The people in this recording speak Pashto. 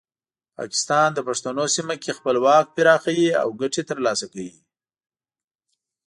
پاکستان د پښتنو سیمه کې خپل واک پراخوي او ګټې ترلاسه کوي.